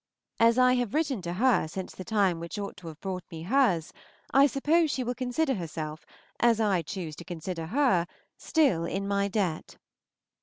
As I have written to her since the time which ought to have brought me hers, I suppose she will consider herself, as I choose to consider her, still in my debt.